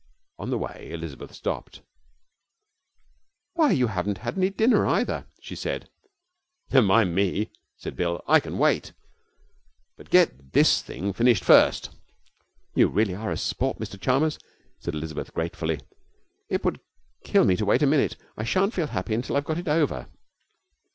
On the way Elizabeth stopped. 'Why, you haven't had any dinner either!' she said. 'Never mind me,' said Bill, 'I can wait. Let's get this thing finished first.' 'You really are a sport, Mr Chalmers,' said Elizabeth gratefully. 'It would kill me to wait a minute. I shan't feel happy until I've got it over.